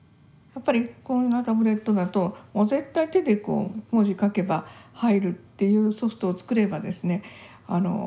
やっぱりこんなタブレットだともう絶対手でこう文字書けば入るっていうソフトを作ればですね